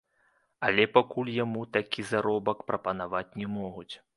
Але пакуль яму такі заробак прапанаваць не могуць.